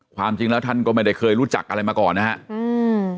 ความจริงแล้วท่านก็ไม่ได้เคยรู้จักอะไรมาก่อนนะฮะอืม